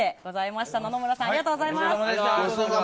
野々村さんありがとうございます。